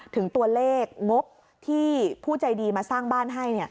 ถึงตัวเลขงบที่ผู้ใจดีมาสร้างบ้านให้